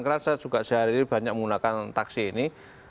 saya juga sehari hari banyak menggunakan taksi ini